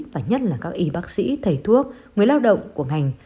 và nhất là các y bác sĩ thầy thuốc người lao động của ngành